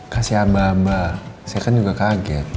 kasih abah abah saya kan juga kaget